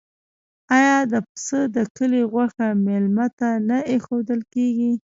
آیا د پسه د کلي غوښه میلمه ته نه ایښودل کیږي؟